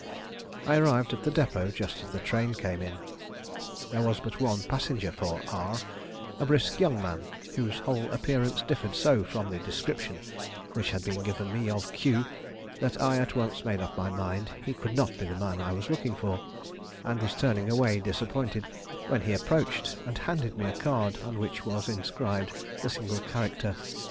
I arrived at the depot just as the train came in. There was but one passenger for R , a brisk young man, whose whole appearance differed so from the description which had been given me of Q that I at once made up my mind he could not be the man I was looking for, and was turning away disappointed, when he approached, and handed me a card on which was inscribed the single character